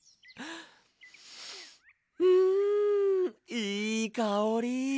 うんいいかおり！